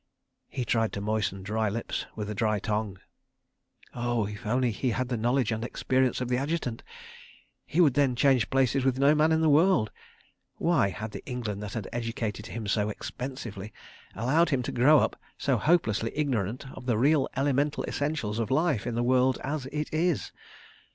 ... He tried to moisten dry lips with a dry tongue. Oh, if only he had the knowledge and experience of the Adjutant—he would then change places with no man in the world. Why had the England that had educated him so expensively, allowed him to grow up so hopelessly ignorant of the real elemental essentials of life in the World As It Is?